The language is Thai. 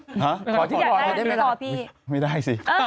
พี่แมว่ะแต่หนุ่มไม่ได้พี่แมว่ะแต่หนุ่มไม่ได้